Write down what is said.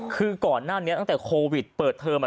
คือก่อนหน้านี้ตั้งแต่โควิดเปิดเทอมมา